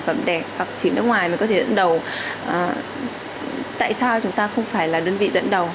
dụng công nghệ hoặc chỉ nước ngoài mới có thể dẫn đầu tại sao chúng ta không phải là đơn vị dẫn đầu